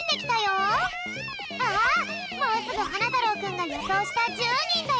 あっもうすぐはなたろうくんがよそうした１０にんだよ。